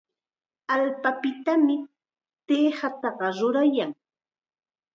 Allpapitam tikataqa rurayan.